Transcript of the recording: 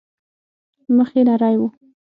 مخ يې نرى و.